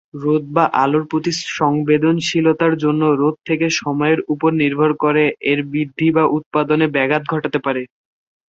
রোদ বা আলোর প্রতি সংবেদনশীলতার জন্য রোদ থেকে সময়ের উপর নির্ভর করে এর বৃদ্ধি বা উৎপাদনে ব্যাঘাত ঘটতে পারে।